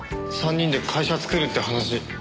３人で会社作るって話。